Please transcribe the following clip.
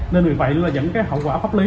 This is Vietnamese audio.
nên vì vậy những hậu quả pháp lý